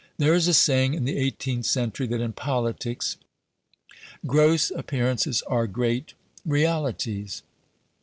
There is a saying in the eighteenth century, that in politics, "gross appearances are great realities".